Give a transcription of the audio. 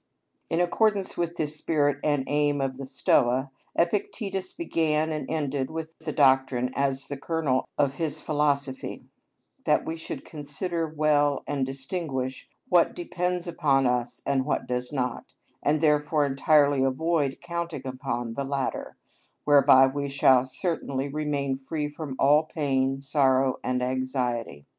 In accordance with this spirit and aim of the Stoa, Epictetus began and ended with the doctrine as the kernel of his philosophy, that we should consider well and distinguish what depends upon us and what does not, and therefore entirely avoid counting upon the latter, whereby we shall certainly remain free from all pain, sorrow, and anxiety.